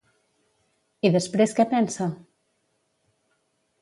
I després què pensa?